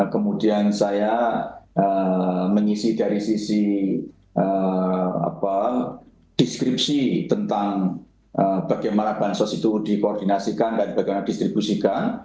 kemudian saya mengisi dari sisi deskripsi tentang bagaimana bansos itu dikoordinasikan dan bagaimana distribusikan